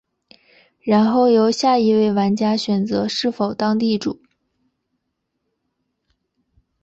然后由下一位玩家选择是否当地主。